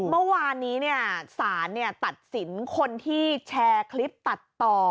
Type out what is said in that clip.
คือเมื่อวานนี้เนี่ยศาลเนี่ยตัดสินคนที่แชร์คลิปตัดต่อ